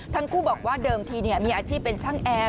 ทั้งคู่บอกว่าเดิมทีมีอาชีพเป็นช่างแอร์